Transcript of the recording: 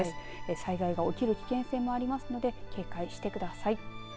災害が起きる危険性もありますので警戒してください。